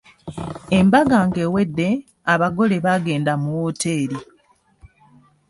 Embaga ng'ewedde, abagole baagenda mu wooteri.